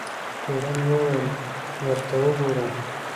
تورن وویل ورته وګوره.